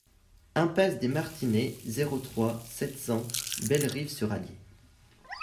Impasse des Martinets, zéro trois, sept cents Bellerive-sur-Allier